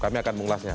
kami akan mengulasnya